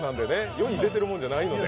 世に出てるものじゃないんで。